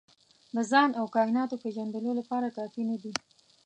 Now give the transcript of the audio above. د ځان او کایناتو پېژندلو لپاره کافي نه دي.